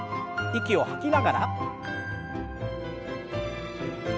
息を吐きながら。